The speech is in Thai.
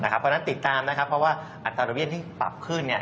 เพราะฉะนั้นติดตามนะครับเพราะว่าอัตราดอกเบี้ยที่ปรับขึ้น